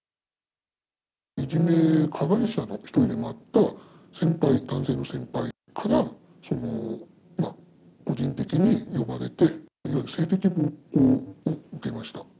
いじめ加害者の一人でもあった先輩、男性の先輩から、個人的に呼ばれて、いわゆる性的暴行を受けました。